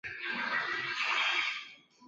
也希望她能参加下一次的活动。